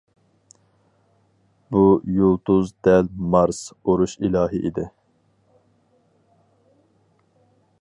بۇ يۇلتۇز دەل مارس- ئۇرۇش ئىلاھى ئىدى.